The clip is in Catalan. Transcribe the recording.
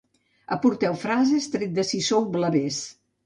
Aporteu frases, tret de si sou blavers.